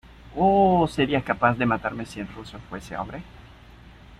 ¡ oh!... ¿ serías capaz de matarme si el ruso fuese un hombre?